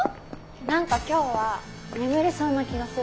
何か今日は眠れそうな気がする。